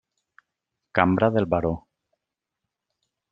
Cambra del Baró.